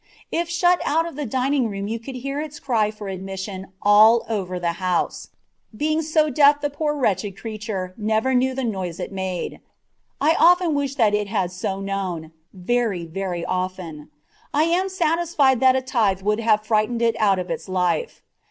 If shut out of the dining room you could hear its cry for admission all over the house; being so deaf the poor wretched creature never knew the noise it made. I often wish that it had so known very, very often. I am satisfied that a tithe would have frightened it out of its life.